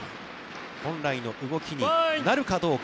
本来の動きになるかどうか。